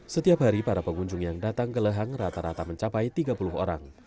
setiap hari para pengunjung yang datang ke lehang rata rata mencapai tiga puluh orang